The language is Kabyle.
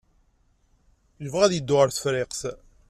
Yebɣa ad yeddu ɣer Tefriqt.